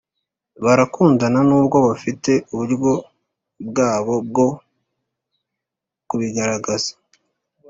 Barakundana nubwo bafite uburyo bwabo bwo kubigaragaza